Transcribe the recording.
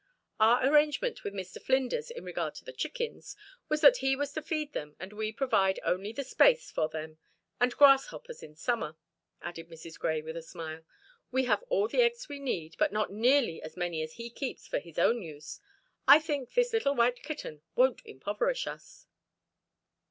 "Our arrangement with Mr. Flinders in regard to the chickens was that he was to feed them, and we provide only the space for them and grasshoppers in summer," added Mrs. Grey, with a smile. "We have all the eggs we need, but not nearly as many as he keeps for his own use. I think this little white kitten won't impoverish us."